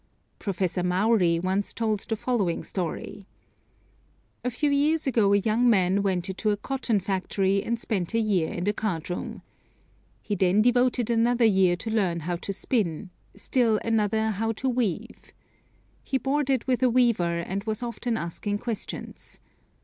Professor Mowry once told the following story: "A few years ago a young man went into a cotton factory and spent a year in the card room. He then devoted another year to learning how to spin; still another how to weave. He boarded with a weaver, and was often asking questions.